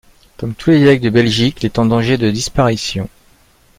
Comme tous les dialectes de Belgique, il est en danger de disparition.